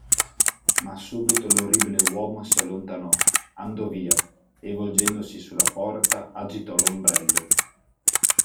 Ma subito l'orribile uomo si allontanò, andò via, e volgendosi sulla porta agitò l'ombrello.